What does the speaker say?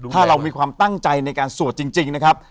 ถ้าเรามีความตั้งใจในการสวดจริงนะครับ